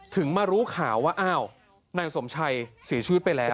ถึงมารู้ข่าวว่าอ้าวนายสมชัยเสียชีวิตไปแล้ว